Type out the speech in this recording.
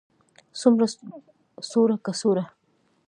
څومره, څوړه، کڅوړه